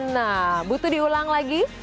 nah butuh diulang lagi